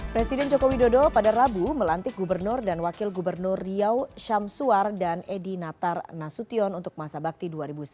presiden joko widodo pada rabu melantik gubernur dan wakil gubernur riau syamsuar dan edi natar nasution untuk masa bakti dua ribu sembilan belas